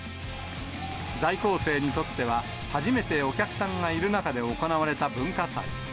在校生にとっては、初めてお客さんがいる中で行われた文化祭。